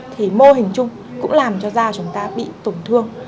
thì mô hình chung cũng làm cho da chúng ta bị tổn thương